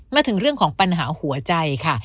มาถึงเรื่องของปัญหาหัวใจค่ะ